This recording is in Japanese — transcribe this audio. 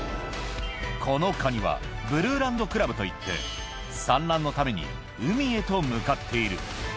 このカニはブルーランドクラブといって、産卵のために海へと向かっている。